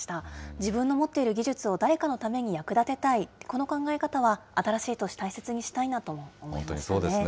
自分の持っている技術を誰かのために役立てたい、この考え方は、新しい年、本当にそうでしたね。